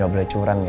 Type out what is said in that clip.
gak boleh curang ya